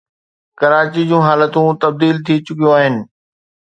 ڪراچي جون حالتون تبديل ٿي چڪيون آهن